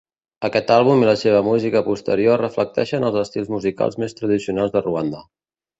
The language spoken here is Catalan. Aquest àlbum i la seva música posterior reflecteixen els estils musicals més tradicionals de Ruanda.